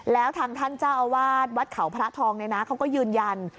แล้วทางท่านจ้าอาวาทวัดเขาพระทองเขาก็ยืนยัน